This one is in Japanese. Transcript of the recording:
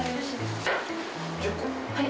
・はい。